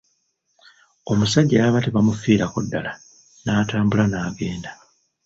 Omusajja yalaba tebamufiirako ddala, n'atambula n'agenda.